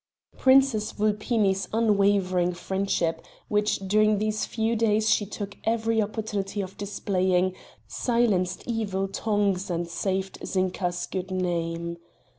Princess Vulpini's unwavering friendship, which during these few days she took every opportunity of displaying, silenced evil tongues and saved Zinka's good name.